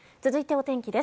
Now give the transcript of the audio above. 続いて、お天気です。